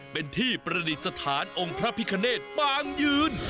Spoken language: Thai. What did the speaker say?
เป็นที่ประดิษฐานองค์พระพิคเนตปางยืน